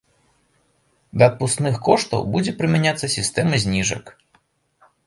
Да адпускных коштаў будзе прымяняцца сістэма зніжак.